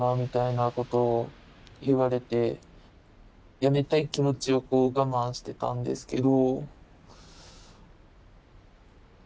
辞めたい気持ちをこう我慢してたんですけど。